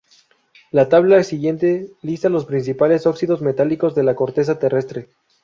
La tabla siguiente lista los principales óxidos metálicos de la corteza terrestre.